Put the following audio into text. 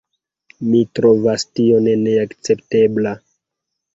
Mi trovas tion neakceptebla.